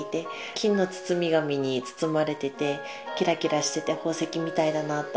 金の包み紙に包まれててキラキラしてて宝石みたいだなと思っていたので。